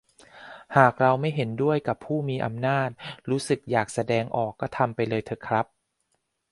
หากเราไม่เห็นด้วยกับผู้มีอำนาจ รู้สึกอยากแสดงออกก็ทำไปเลยเถอะครับ